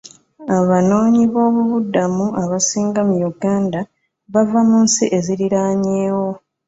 Abanoonyiboobubudamu abasinga mu Uganda bava mu nsi eziriraanyeewo.